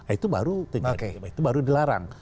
itu baru dilarang